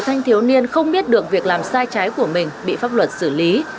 nhiều em thiếu niên không biết được việc làm sai trái của mình bị pháp luật xử lý